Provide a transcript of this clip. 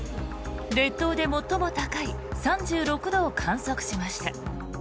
列島で最も高い３６度を観測しました。